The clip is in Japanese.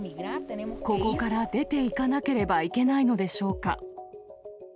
ここから出ていかなければいけないのでしょうか。